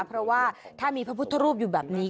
เพราะว่าถ้ามีพระพุทธรูปอยู่แบบนี้